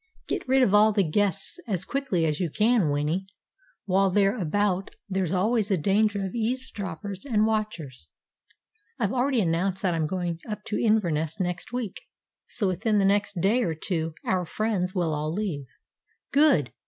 "Get rid of all the guests as quickly as you can, Winnie. While they're about there's always a danger of eavesdroppers and of watchers." "I've already announced that I'm going up to Inverness next week, so within the next day or two our friends will all leave." "Good!